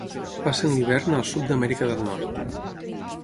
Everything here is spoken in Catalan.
Passen l'hivern al sud d'Amèrica del nord.